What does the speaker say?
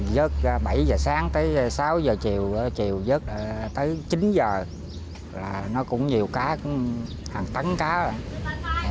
vớt bảy giờ sáng tới sáu giờ chiều chiều vớt tới chín giờ là nó cũng nhiều cá hàng tấn cá rồi